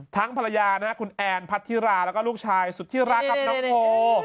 ภรรยานะครับคุณแอนพัทธิราแล้วก็ลูกชายสุดที่รักกับน้องโพ